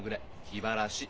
気晴らし。